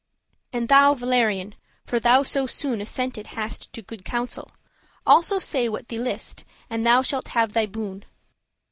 "And thou, Valerian, for thou so soon Assented hast to good counsel, also Say what thee list,* and thou shalt have thy boon."